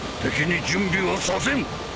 敵に準備はさせん。